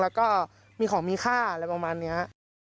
แล้วก็มีของมีค่าอะไรประมาณนี้